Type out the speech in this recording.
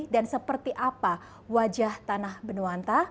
dan seperti apa wajah tanah benuanta